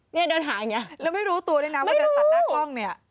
นี่เดินหาอย่างนี้ไม่รู้ตัวเลยนะว่าจะตัดหน้ากล้องนี้